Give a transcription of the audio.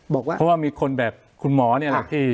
เพราะว่ามีคนแบบคุณหมอเนี่ย